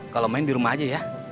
kalau main di rumah aja ya